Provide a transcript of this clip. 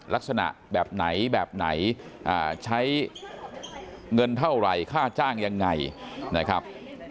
ลักษณะแบบไหนแบบไหนใช้เงินเท่าไหร่ค่าจ้างยังไงนะครับ